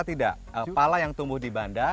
tidak pala yang tumbuh di banda